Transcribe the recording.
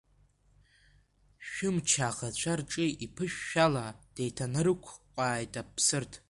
Шәымч аӷацәа рҿы иԥышәшәала, деиҭанарықәҟааит Аԥсырҭ…